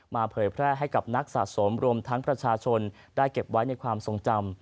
เผยแพร่ให้กับนักสะสมรวมทั้งประชาชนได้เก็บไว้ในความทรงจำ